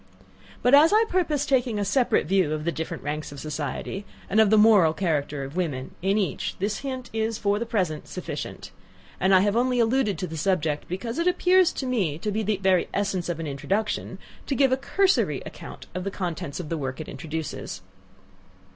But as I purpose taking a separate view of the different ranks of society, and of the moral character of women, in each, this hint is, for the present, sufficient; and I have only alluded to the subject, because it appears to me to be the very essence of an introduction to give a cursory account of the contents of the work it introduces.